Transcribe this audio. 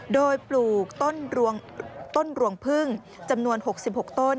โดยปลูกต้นรวงพึ่งจำนวน๖๖ต้น